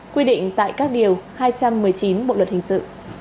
quy định tại các điều hai trăm một mươi chín bộ luật hình sự